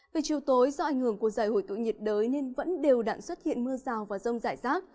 về chiều tối do ảnh hưởng của giải hội tụ nhiệt đới nên vẫn đều đạn xuất hiện mưa rào và rông rải rác